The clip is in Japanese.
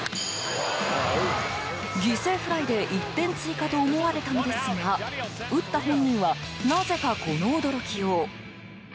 犠牲フライで１点追加と思われたのですが打った本人はなぜかこの驚きよう。